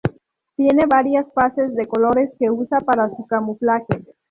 Tiene varias fases de colores que usa para su camuflaje.